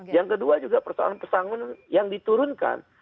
yang kedua juga persoalan pesangon yang diturunkan